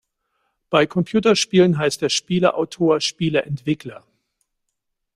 Bei Computerspielen heißt der Spieleautor Spieleentwickler.